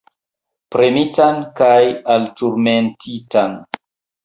Premitan kaj elturmentitan.